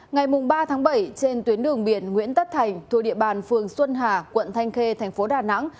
ngày ba tháng bảy trên tuyến đường biển nguyễn tất thành thuộc địa bàn phường xuân hà quận thanh khê thành phố đà nẵng